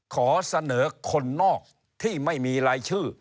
ขอเสนอคนนอกที่ไม่มีรายชื่อ